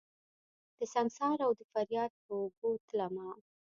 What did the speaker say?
دسنګسار اودفریاد په اوږو تلمه